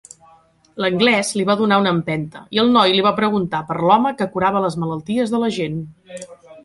L'anglès li va donar una empenta i el noi li va preguntar per l'home que curava les malalties de la gent.